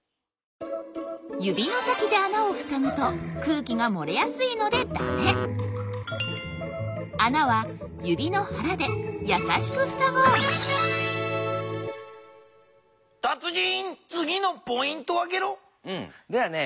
ゆびの先であなをふさぐと空気がもれやすいのでダメたつ人つぎのポイントはゲロ？ではね